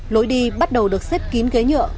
lối đi bắt đầu được xếp kín ghế nhựa